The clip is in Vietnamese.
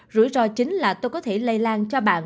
rủi ro chính là tôi có thể lây lan cho bạn